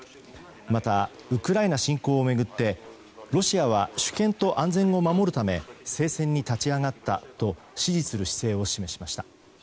また、ウクライナ侵攻を巡ってロシアは主権と安全を守るため聖戦に立ち上がったと支持する姿勢を示しました。